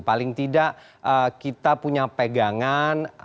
paling tidak kita punya pegangan